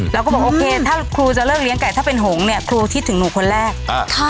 เราก็บอกโอเคถ้าครูจะเลิกเลี้ยไก่ถ้าเป็นหงเนี่ยครูคิดถึงหนูคนแรก